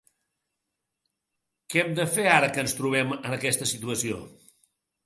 Què hem de fer ara que ens trobem en aquesta situació?